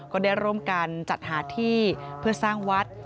ก็ได้ร่วมกันจัดหาที่เพื่อสร้างวัด